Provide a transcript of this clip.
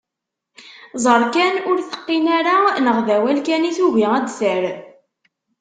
Ẓer kan ur teqqin ara neɣ d awal kan i tugi ad d-terr.